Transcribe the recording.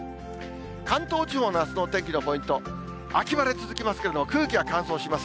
関東地方のあすのお天気のポイント、秋晴れ続きますけれども、空気は乾燥します。